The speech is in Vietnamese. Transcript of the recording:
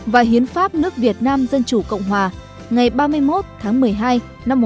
và hiến pháp nước việt nam dân chủ cộng hòa ngày ba mươi một tháng một mươi hai năm một nghìn chín trăm bảy mươi